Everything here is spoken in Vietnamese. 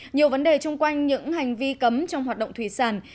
nhiều vấn đề chung quanh những hành vi cấm trong hoạt động thủy sản